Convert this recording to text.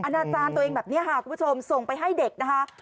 อาจารย์ตัวเองแบบนี้ค่ะคุณผู้ชมส่งไปให้เด็กนะคะ